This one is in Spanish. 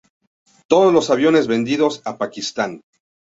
Todos los aviones vendidos a Pakistán.